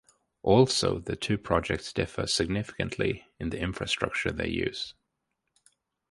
Also, the two projects differ significantly in the infrastructure they use.